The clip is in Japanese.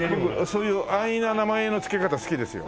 そういう安易な名前の付け方好きですよ。